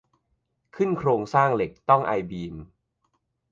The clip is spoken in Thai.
ขึ้นโครงสร้างเหล็กต้องไอบีม